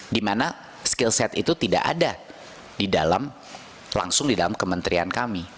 dimana skill set itu tidak ada di dalam langsung di dalam kementrian kami